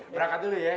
berangkat dulu ya